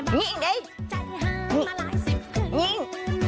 มิอิง